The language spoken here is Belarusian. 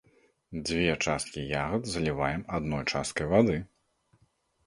Дзве часткі ягад заліваем адной часткай вады.